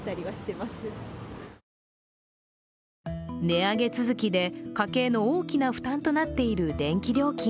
値上げ続きで家計の大きな負担となっている電気料金。